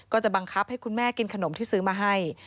ก็จะบังคับให้คุณแม่กินขนมที่ซื้อมาให้